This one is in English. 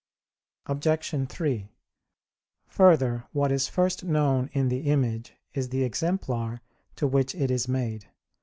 Obj. 3: Further, what is first known in the image is the exemplar to which it is made.